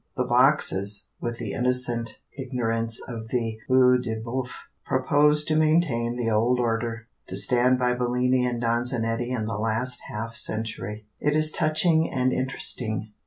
The boxes, with the innocent ignorance of the oeil de boeuf, propose to maintain the old order, to stand by Bellini and Donizetti and the last half century. It is touching and interesting.